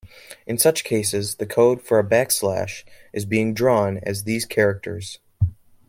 In such cases the code for a backslash is being drawn as these characters.